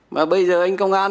mà bây giờ anh công an